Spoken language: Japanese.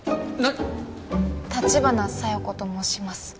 なっ橘小夜子と申します